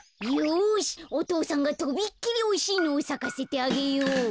よしおとうさんがとびっきりおいしいのをさかせてあげよう。